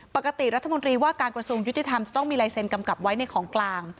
ปกติรัฐมนตรีว่าการกระทรวงยุติธรรมจะต้องมีลายเซ็นกำกับไว้ในของกลาง